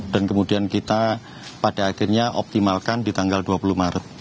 dan kemudian kita pada akhirnya optimalkan di tanggal dua puluh maret